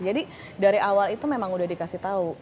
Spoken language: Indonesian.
jadi dari awal itu memang udah dikasih tahu